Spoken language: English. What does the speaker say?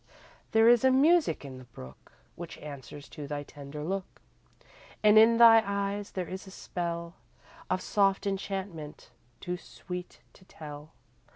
There is a music in the brook Which answers to thy tender look And in thy eyes there is a spell Of soft enchantment too sweet to tell.